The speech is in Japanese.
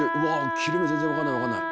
切れ目全然分かんない分かんない。